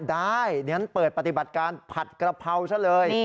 ได้เดี๋ยวฉันเปิดปฏิบัติการผัดกระเพราซะเลย